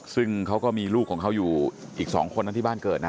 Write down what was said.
ซึ่งเขาก็มีลูกของเขาอยู่อีก๒คนนั้นที่บ้านเกิดนะ